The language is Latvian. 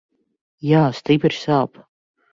Jā, stipri sāp.